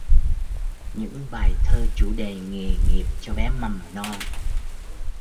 Những bài thơ chủ đề nghề nghiệp cho bé mầm non